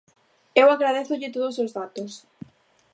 Eu agradézolle todos os datos.